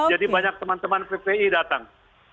jadi banyak teman teman ppi datang